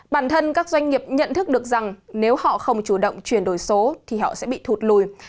bản thân các doanh nghiệp nhận thức được rằng nếu họ không chủ động chuyển đổi số thì họ sẽ bị thụt lùi